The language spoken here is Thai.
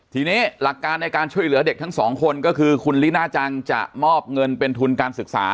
ทีนี้หลักการในการช่วยเหลือเด็กทั้งสองคนก็คือคุณลิน่าจังจะมอบเงินเป็นทุนการศึกษา